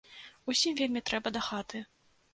Усім вельмі трэба да хаты.